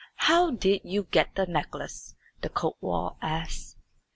"How did you get the necklace?" the kotwal asked.